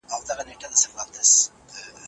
هر چا خپل ژوند په ارامۍ تیراوه.